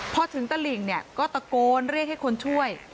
พอถึงตลิ่งเนี่ยก็ตะโกนเรียกให้คนช่วย